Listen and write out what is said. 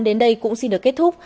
đến đây cũng xin được kết thúc